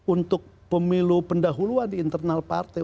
untuk pemilu pendahuluan di internal partai